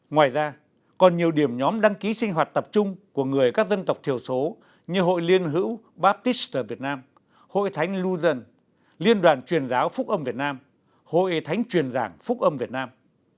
ngoài ra còn nhiều điểm nhóm đăng ký sinh hoạt tập trung của người các dân tộc thiểu số như hội liên hữu baptister việt nam hội thánh lưu dân liên đoàn truyền giáo phúc âm việt nam hội thánh truyền giảng phúc âm việt nam